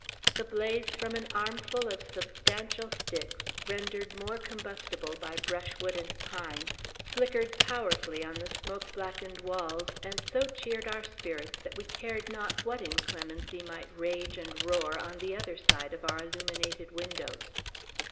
The blaze from an armful of substantial sticks, rendered more combustible by brushwood and pine, flickered powerfully on the smoke blackened walls, and so cheered our spirits that we cared not what inclemency might rage and roar on the other side of our illuminated windows.